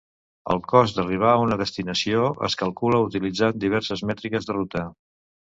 El cost d'arribar a una destinació es calcula utilitzant diverses mètriques de ruta.